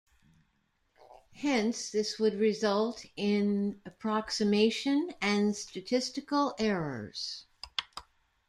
Hence, this would result in approximation and statistical errors.